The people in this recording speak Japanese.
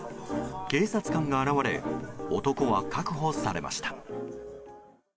警察官が現れ男は確保されました。